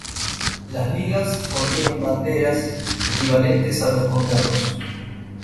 Las "ligas" contienen "banderas", equivalentes a los condados.